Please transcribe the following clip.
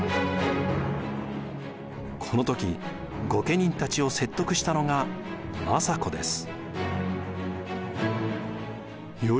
この時御家人たちを説得したのが政子です。